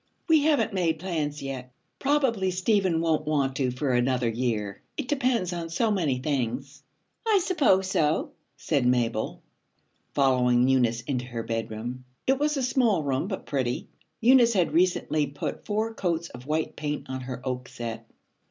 'We haven't made plans yet. Probably Stephen won't want to for another year. It depends on so many things.' 'I suppose so,' said Mabel, following Eunice into her bedroom. It was a small room but pretty. Eunice had recently put four coats of white paint on her oak set.